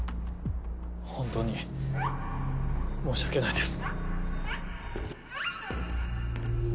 本当に申し訳ないです。